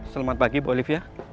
selamat pagi bu olivia